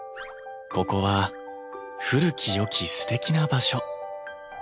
ここは古きよきすてきな場所。